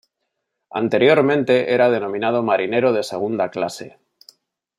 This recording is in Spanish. Anteriormente era denominado marinero de segunda clase.